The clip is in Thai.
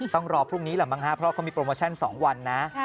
ต้องรอพรุ่งนี้แหละมั้งครับเพราะเขามีโปรโมชั่น๒วันนะ